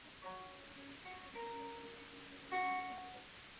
阳南面是大韩民国庆尚北道庆州市下辖的一个面。